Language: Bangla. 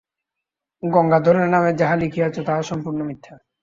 গঙ্গাধরের নামে যাহা লিখিয়াছ, তাহা সম্পূর্ণ মিথ্যা।